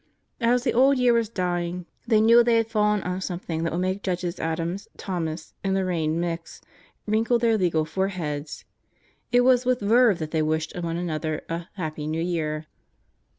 As the old year was dying, they knew they had fallen on some thing that would make Judges Adams, Thomas, and Lorraine Mix, wrinkle their legal foreheads. It was with verve that they wished one another a "Happy New Year."